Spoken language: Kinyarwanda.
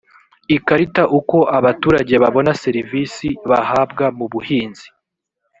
ikarita uko abaturage babona serivisi bahabwa mu buhinzi